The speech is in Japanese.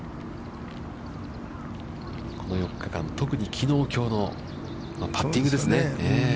この４日間、特にきのう、きょうのパッティングですね。